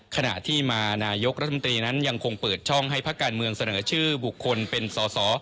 ขณะที่มานายกรัฐมนตรีนั้นยังคงเปิดช่องให้พักการเมืองเสนอชื่อบุคคลเป็นสอสอ